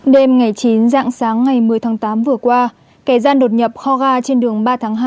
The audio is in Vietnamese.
đêm ngày chín dạng sáng ngày một mươi tháng tám vừa qua kẻ gian đột nhập kho ga trên đường ba tháng hai